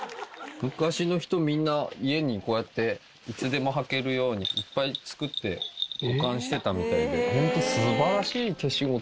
昔の人みんな家にこうやっていつでも履けるようにいっぱい作って保管してたみたいで。